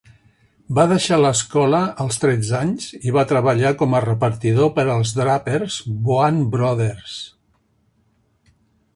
Va deixar l'escola als tretze anys i va treballar com a repartidor per als drapers Boan Brothers.